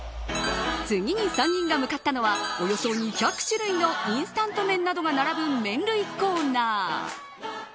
次に３人が向かったのはおよそ２００種類のインスタント麺などが並ぶ麺類コーナー。